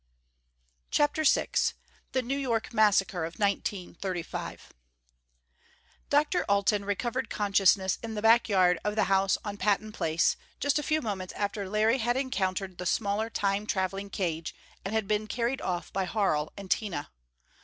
CHAPTER VI The New York Massacre of 1935 Dr. Alten recovered consciousness in the back yard of the house on Patton Place just a few moments after Larry had encountered the smaller Time traveling cage and been carried off by Harl and Tina.